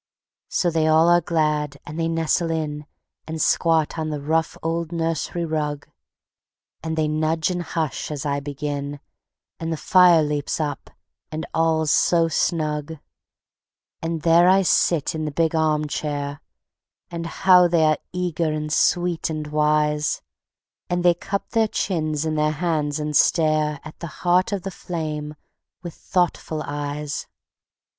So they all are glad, and they nestle in, And squat on the rough old nursery rug, And they nudge and hush as I begin, And the fire leaps up and all's so snug; And there I sit in the big arm chair, And how they are eager and sweet and wise, And they cup their chins in their hands and stare At the heart of the flame with thoughtful eyes.